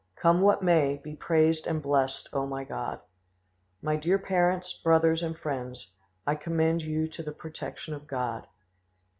"Come what may, be praised and blessed, O my God! "My dear parents, brothers, and friends, I commend you to the protection of God."